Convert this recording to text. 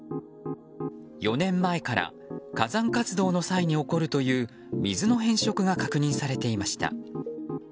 ４年前から火山活動の際に起こるという水の変色が確認されていました。